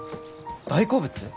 大好物？